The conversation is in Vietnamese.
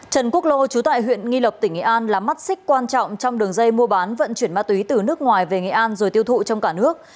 trần quốc lô trú tại huyện nghi lộc tỉnh nghệ an là mắt xích quan trọng trong đường dây mua bán vận chuyển ma túy từ nước ngoài về nghệ an rồi tiêu thụ trong cả nước